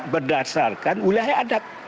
berdasarkan wilayah adat